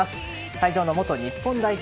会場の元日本代表